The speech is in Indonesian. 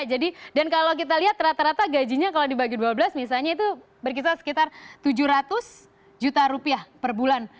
jadi dan kalau kita lihat rata rata gajinya kalau dibagi dua belas misalnya itu berkisar sekitar tujuh ratus juta rupiah per bulan